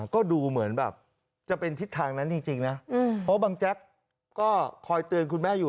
ก็ดูเหมือนแบบจะเป็นทิศทางนั้นจริงนะเพราะบางแจ๊กก็คอยเตือนคุณแม่อยู่